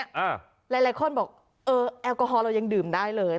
หลายคนบอกเออแอลกอฮอลเรายังดื่มได้เลย